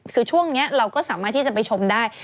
คือช่วงนี้เราก็สามารถที่จะไปชมได้